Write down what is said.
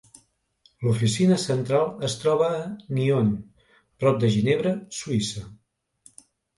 L'oficina central es troba a Nyon, prop de Ginebra, Suïssa.